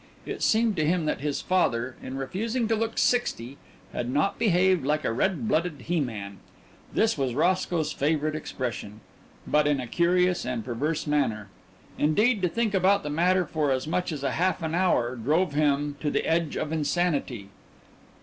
It seemed to him that his father, in refusing to look sixty, had not behaved like a "red blooded he man" this was Roscoe's favourite expression but in a curious and perverse manner. Indeed, to think about the matter for as much as a half an hour drove him to the edge of insanity.